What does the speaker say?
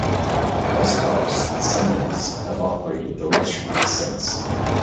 Eschoff's descendants have operated the restaurant since.